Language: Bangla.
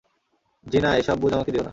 জিনা, এসব বুঝ আমাকে দিও না।